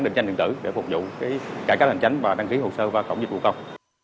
định danh điện tử để phục vụ cái cải cách hành tránh và đăng ký hồ sơ và cộng dịch vụ công